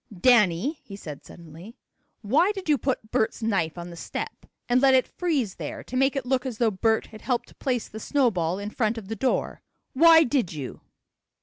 "Danny," he said suddenly, "why did you put Bert's knife on the step, and let it freeze there to make it look as though Bert had helped place the snowball in front of the door? Why did you?"